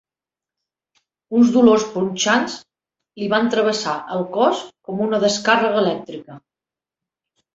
Uns dolors punxants li van travessar el cos com una descàrrega elèctrica.